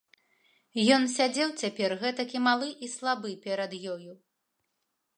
Ён сядзеў цяпер гэтакі малы і слабы перад ёю.